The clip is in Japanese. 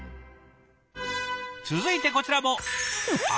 続いてこちらも。